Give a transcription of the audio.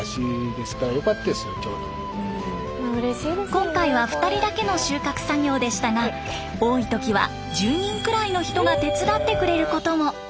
今回は２人だけの収穫作業でしたが多い時は１０人くらいの人が手伝ってくれることも。